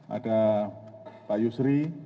ada pak yusri